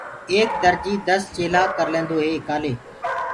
ايڪ درجي دس چيلآ ڪرليندوئي ڪآلي